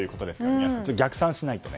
皆さん、逆算しないとね。